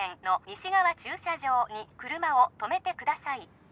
西側駐車場に車を止めてください